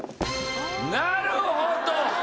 なるほど。